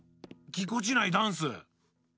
ぎこちないダンス！